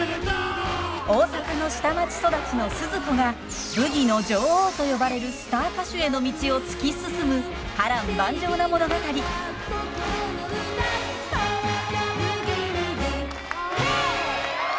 大阪の下町育ちのスズ子がブギの女王と呼ばれるスター歌手への道を突き進む波乱万丈な物語。へいっ！